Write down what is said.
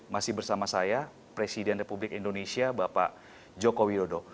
masih bersama saya presiden republik indonesia bapak joko widodo